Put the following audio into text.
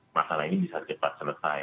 masalah ini bisa cepat selesai